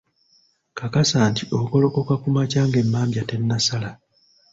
Kakasa nti ogolokoka kumakya ng'emmambya tennasala.